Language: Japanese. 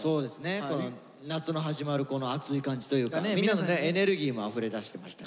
夏の始まるこのアツい感じというかみんなのねエネルギーもあふれ出してましたから。